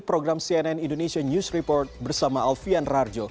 program cnn indonesia news report bersama alfian rarjo